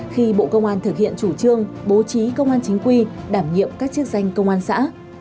khi bộ công an thực hiện chủ trương bố trí công an chính quy đảm nhiệm các chức danh công an xã